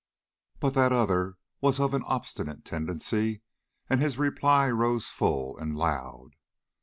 But that other was of an obstinate tendency, and his reply rose full and loud.